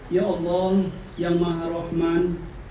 ya allah yang maha rahman